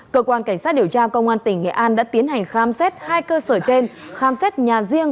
cơ quan cảnh sát điều tra công an tỉnh nghệ an đã tiến hành khám xét hai cơ sở trên khám xét nhà riêng